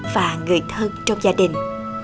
và người thân trong gia đình